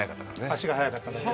足が速かっただけ。